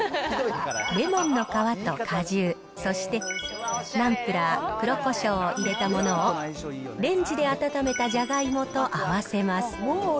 レモンの皮と果汁、そしてナンプラー、黒こしょうを入れたものを、レンジで温めたジャガイモと合わせます。